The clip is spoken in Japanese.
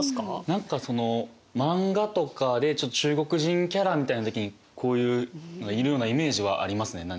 何かその漫画とかで中国人キャラみたいな時にこういうのがいるようなイメージはありますね何か。